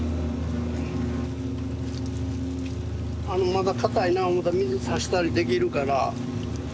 まだ硬いな思ったら水差したりできるから。